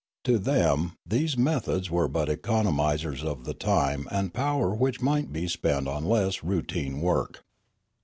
To them these methods were but economisers of the time and power which might be spent on less routine work.